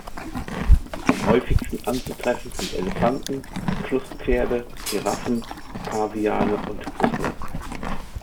Am häufigsten anzutreffen sind Elefanten, Flusspferde, Giraffen, Paviane und Büffel.